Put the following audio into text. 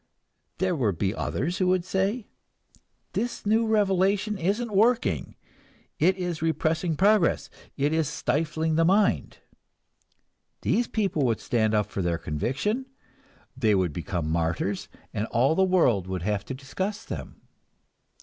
There would be others who would say, "This new revelation isn't working, it is repressing progress, it is stifling the mind." These people would stand up for their conviction, they would become martyrs, and all the world would have to discuss them.